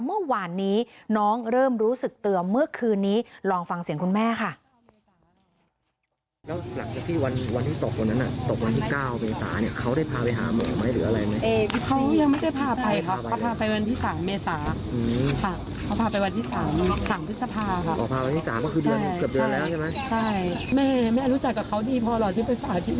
เมื่อวานนี้น้องเริ่มรู้สึกเตือนเมื่อคืนนี้ลองฟังเสียงคุณแม่ค่ะ